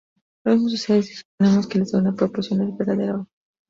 Lo mismo sucede si suponemos que la segunda proposición es verdadera hoy.